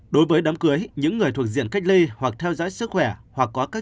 đối với đám cưới những người thuộc diện cách ly hoặc theo dõi sức khỏe hoặc có các